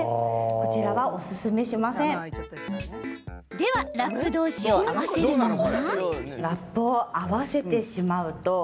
ではラップ同士を合わせるのは？